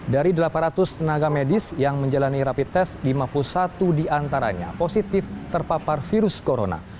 dari delapan ratus tenaga medis yang menjalani rapit tes lima puluh satu di antaranya positif terpapar virus corona